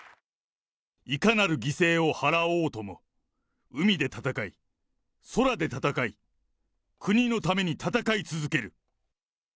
いかなる犠牲を払おうとも、海で戦い、空で戦い、国のために戦い続ける。